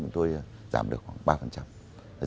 tôi giảm được khoảng ba